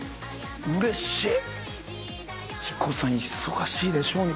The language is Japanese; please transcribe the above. うれしい。